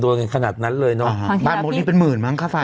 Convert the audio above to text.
กันขนาดนั้นเลยเนอะบ้านมดนี่เป็นหมื่นมั้งค่าไฟ